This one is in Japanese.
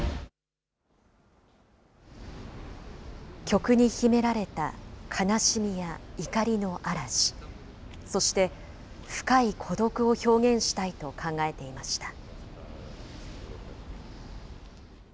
曲に秘められた悲しみや怒りの嵐、そして、深い孤独を表現したいと考えていました。